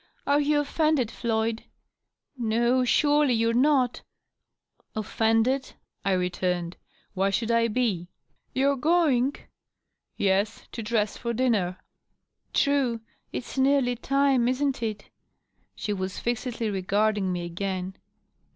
"Are you offended, Floyd ? No, surely you're not !"" Offended ?" I returned. " Why should I be ?" "You're going?" " Yes — ^to dress for dinner." " True — it's nearly time, isn't it?" She was fixedly r^arding me again.